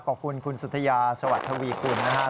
ขอบคุณคุณสุธยาสวัสดิ์ทะวีคุณนะฮะ